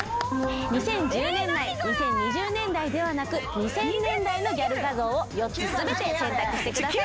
２０１０年代２０２０年代ではなく２０００年代のギャル画像を４つ全て選択してください。